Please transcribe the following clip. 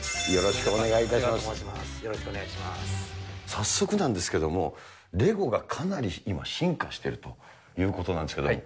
早速なんですけれども、レゴがかなり今、進化しているということなんですけれども。